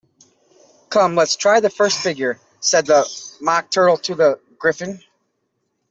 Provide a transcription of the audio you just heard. ‘Come, let’s try the first figure!’ said the Mock Turtle to the Gryphon.